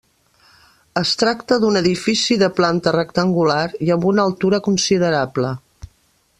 Es tracta d'un edifici de planta rectangular i amb una altura considerable.